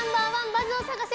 バズを探せ！